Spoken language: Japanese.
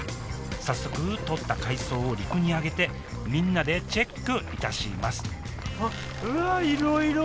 早速とった海藻を陸にあげてみんなでチェックいたします